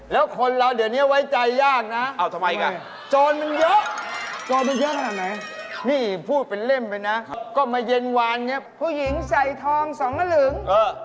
แล้วคนเราเดี๋ยวนี้ไว้ใจยากนะจรมันเยอะนี่พูดเป็นเล่มไปนะก็มาเย็นวานนี้ผู้หญิงใส่ทองส่องละหลึง